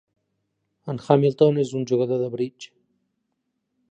En Hamilton és un jugador de bridge.